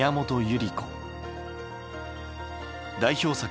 代表作